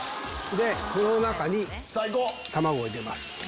この中に卵を入れます。